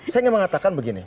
saya ingin mengatakan begini